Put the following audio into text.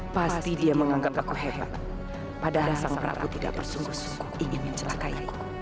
pasti dia mengangkat kekuhebat padahal sang prabu tidak bersungguh sungguh ingin mencelakai